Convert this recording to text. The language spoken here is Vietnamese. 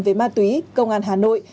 với ma túy công an hà nội